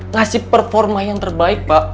ngasih performa yang terbaik pak